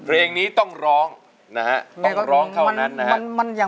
เพลงนี้ต้องร้องนะฮะต้องร้องเท่านั้นนะฮะ